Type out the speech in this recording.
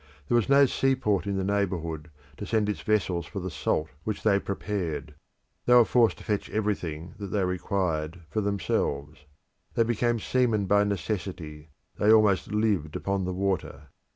There was no seaport in the neighbourhood to send its vessels for the salt which they prepared: they were forced to fetch everything that they required for themselves. They became seamen by necessity: they almost lived upon the water.